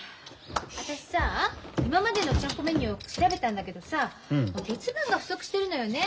私さあ今までのちゃんこメニューを調べたんだけどさ鉄分が不足してるのよね。